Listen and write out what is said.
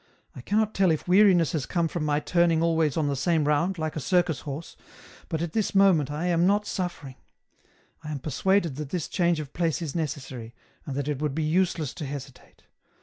I can not tell if weariness has come from my turning always on the same round, like a circus horse, but at this moment I am not suffering. I am persuaded that this change of place is necessary, and that it would be useless to hesitate.